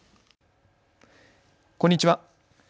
こんにちは。